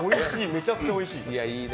めちゃくちゃおいしい。